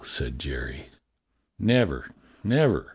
^" said Jerry. "Never, never!"